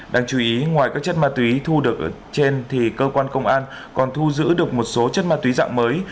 đáng chú ý ngoài các chất ma túy thu được ở trên thì cơ quan công an còn thu giữ được một số chất ma túy dạng mới